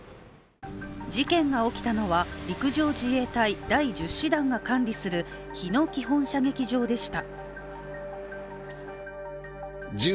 事件が起きたのは、陸上自衛隊第１０師団が管理する、日野基本射撃場でした。